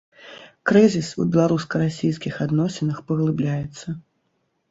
Крызіс у беларуска-расейскіх адносінах паглыбляецца.